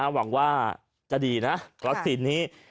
หวังว่าจะดีนะวัคซีนนี้